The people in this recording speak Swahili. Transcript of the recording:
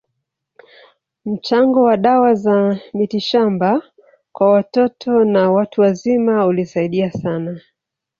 Mchango wa dawa za mitishamba kwa watoto na watu wazima ulisaidia sana